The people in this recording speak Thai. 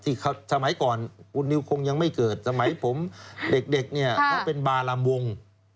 สมัยก่อนคุณนิวคงยังไม่เกิดสมัยผมเด็กเนี่ยเขาเป็นบารำวง